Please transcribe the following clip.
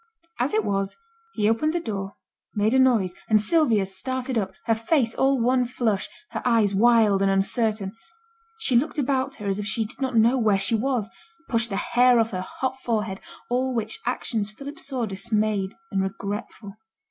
As it was, he opened the door, made a noise, and Sylvia started up, her face all one flush, her eyes wild and uncertain; she looked about her as if she did not know where she was; pushed the hair off her hot forehead; all which actions Philip saw, dismayed and regretful.